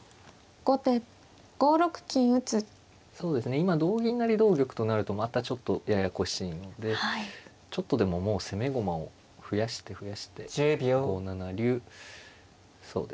今同銀成同玉となるとまたちょっとややこしいのでちょっとでももう攻め駒を増やして増やして５七竜そうですね